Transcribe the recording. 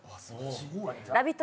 ラヴィット！